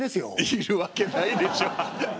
いるわけないでしょう。